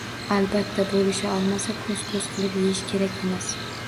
Albatta, boʻlisha olmasa koʻz-koʻz qilib yeyish kerak emas.